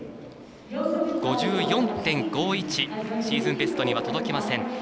シーズンベストには届きません。